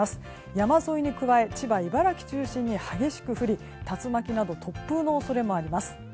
山沿いに加え千葉、茨城中心に激しく降り竜巻など突風の恐れもあります。